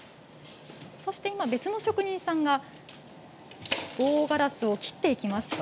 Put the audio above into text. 別の職人さんが棒ガラスを切っています。